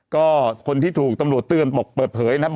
ก็คนที่ถูกตำรวจเตือนบอกเปิดเผยนะครับ